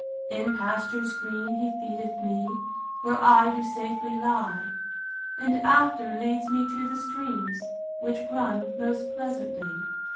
In pastures green he feedeth me, Where I do safely lie; And after leads me to the streams, Which run most pleasantly.